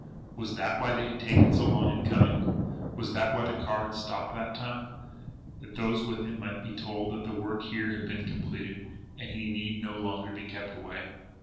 Was that why they had taken so long in coming? Was that why the car had stopped that time that those with him might be told that the work here had been completed, and he need no longer be kept away?